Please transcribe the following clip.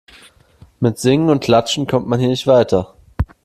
Mit Singen und Klatschen kommt man hier nicht weiter.